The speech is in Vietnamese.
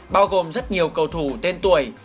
bao gồm rất nhiều cầu thủ tên tuổi